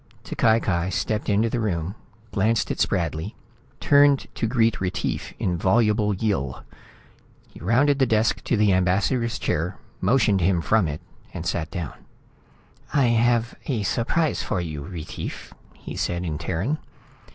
T'Cai Cai stepped into the room, glanced at Spradley, turned to greet Retief in voluble Yill. He rounded the desk to the ambassador's chair, motioned him from it and sat down. "I have a surprise for you, Retief," he said, in Terran.